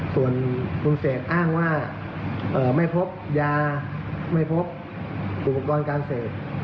ส่วนคุณเสกอ้างว่าไม่พบยาไม่พบอุปกรณ์การเสพ